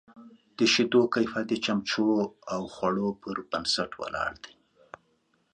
د شیدو کیفیت د چمچو او غذا پر بنسټ ولاړ دی.